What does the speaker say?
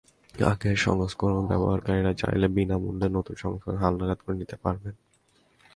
আগের সংস্করণ ব্যবহারকারীরা চাইলেই বিনা মূল্যে নতুন সংস্করণ হালনাগাদ করে নিতে পারবেন।